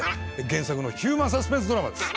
原作のヒューマンサスペンスドラマです。